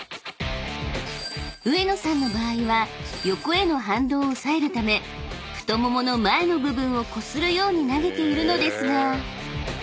［上野さんの場合は横への反動を抑えるため太ももの前の部分をこするように投げているのですが］